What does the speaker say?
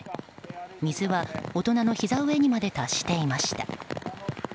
水は大人のひざ上にまで達していました。